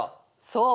そう。